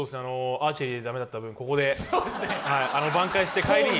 アーチェリーで駄目だった分、ここで挽回して。